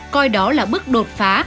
coi đó là bước đột phá